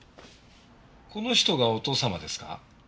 この人がお父様ですか？